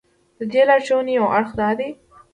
د دې لارښوونې یو اړخ دا دی.